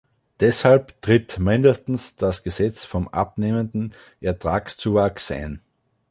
Deshalb tritt mindestens das Gesetz vom abnehmenden Ertragszuwachs ein.